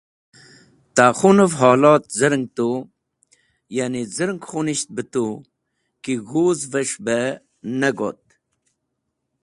Ta khun’vev holot z̃erng tu, ya’ni z̃ereng khunisht be tu, ki g̃huz’ves̃h be ne got.